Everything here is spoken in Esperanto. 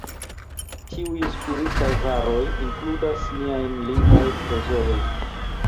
Tiuj spiritaj varoj inkludas niajn lingvajn trezorojn.